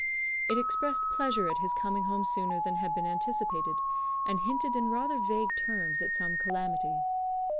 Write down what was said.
It expressed pleasure at his coming home sooner than had been anticipated, and hinted in rather vague terms at some calamity.